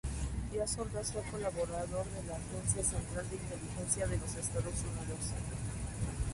Díaz Ordaz fue colaborador de la Agencia Central de Inteligencia de los Estados Unidos.